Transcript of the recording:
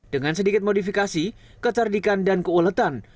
dengan sedikit modifikasi kecerdikan dan keuletan